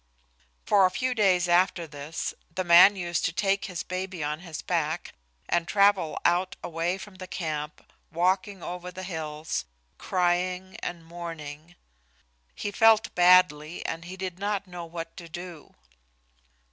For a few days after this, the man used to take his baby on his back and travel out away from the camp, walking over the hills, crying and mourning. He felt badly, and he did not know what to do.